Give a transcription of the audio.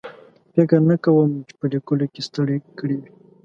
فکر نه کوم چې په لیکلو کې ستړی کړی وي.